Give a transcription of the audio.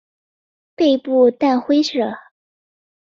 背部淡灰色。